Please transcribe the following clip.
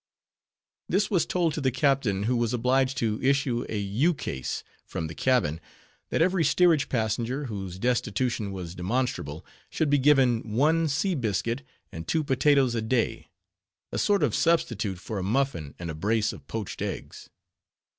This was told to the captain, who was obliged to issue a ukase from the cabin, that every steerage passenger, whose destitution was demonstrable, should be given one sea biscuit and two potatoes a day; a sort of substitute for a muffin and a brace of poached eggs.